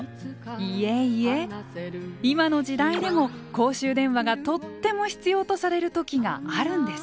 いえいえ今の時代でも公衆電話がとっても必要とされるときがあるんです。